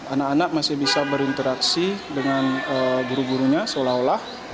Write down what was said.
anak anak masih bisa berinteraksi dengan guru gurunya seolah olah